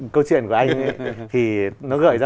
câu chuyện của anh thì nó gợi ra